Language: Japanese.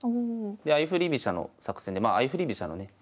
相振り飛車の作戦でまあ相振り飛車のね